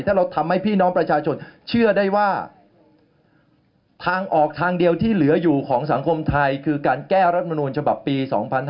ถ้าเราทำให้พี่น้องประชาชนเชื่อได้ว่าทางออกทางเดียวที่เหลืออยู่ของสังคมไทยคือการแก้รัฐมนูลฉบับปี๒๕๕๙